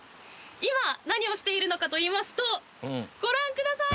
今何をしているのかといいますとご覧ください！